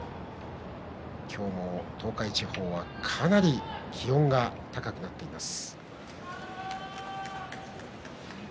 今日も東海地方はかなり気温が高くなっています。